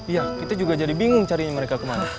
iya kita juga jadi bingung carinya mereka kemana